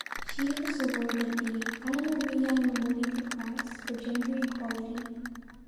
She was awarded the "Anna Maria Mammoliti Prize" for gender equality.